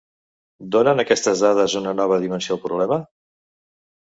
¿Donen aquestes dades una nova dimensió al problema?